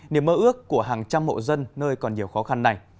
niềm mơ ước của hàng trăm mộ dân nơi còn nhiều khó khăn này